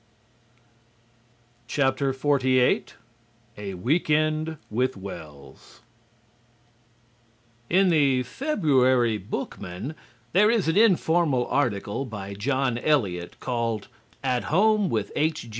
XLVIII A WEEK END WITH WELLS In the February Bookman there is an informal article by John Elliot called "At Home with H.